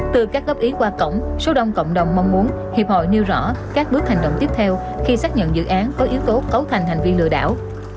từ các góp ý qua cổng số đông cộng đồng mong muốn hiệp hội nêu rõ các bước hành động tiếp theo khi xác nhận dự án có yếu tố cấu thành hành vi lừa đảo